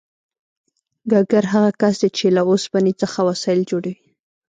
ګګر هغه کس دی چې له اوسپنې څخه وسایل جوړوي